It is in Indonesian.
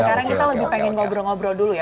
sekarang kita lebih pengen ngobrol ngobrol dulu ya